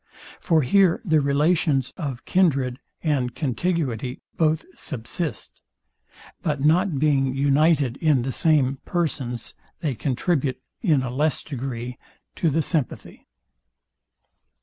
For here the relations of kindred and contiguity both subsist; but not being united in the same persons, they contribute in a less degree to the sympathy.